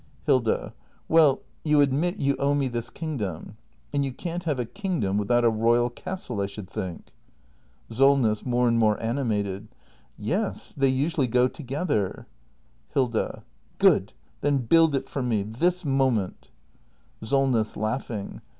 Hilda. Well — you admit you owe me this kingdom. And you can't have a kingdom without a royal castle, I should think! SOLNESS. [More and more animated.] Yes, they usually go to gether. Hilda. Good ! Then build it for me ! This moment ! SOLNESS. [Laughing.